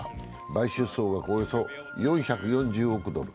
買収総額は、およそ４４０億ドル。